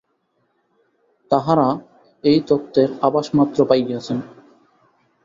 তাঁহারা এই তত্ত্বের আভাসমাত্র পাইয়াছেন।